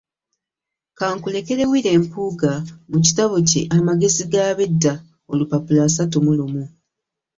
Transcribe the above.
Ka nkulekere Willy Mpuuga mu kitabo kye “Amagezi g’ab’edda olupapula asatu mu lumu.